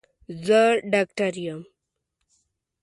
زه ډاکټر يم.